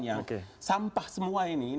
yang sampah semua ini